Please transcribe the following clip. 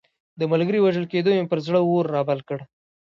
د ملګري وژل کېدو مې پر زړه اور رابل کړ.